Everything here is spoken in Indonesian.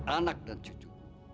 anak dan cucu